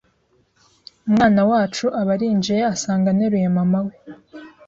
umwana wacu aba arinjiye asanga nteruye mama we